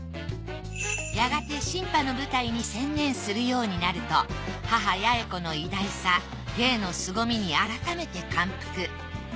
やがて新派の舞台に専念するようになると母八重子の偉大さ芸の凄みに改めて感服。